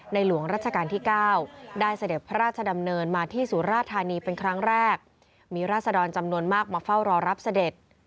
หลวงราชการที่๙ได้เสด็จพระราชดำเนินมาที่สุราธานีเป็นครั้งแรกมีราศดรจำนวนมากมาเฝ้ารอรับเสด็จ